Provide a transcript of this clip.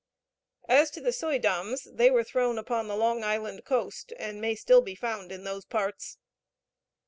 As to the Suydams, they were thrown upon the Long Island coast, and may still be found in those parts.